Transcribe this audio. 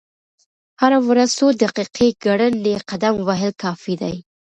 هره ورځ څو دقیقې ګړندی قدم وهل کافي دي.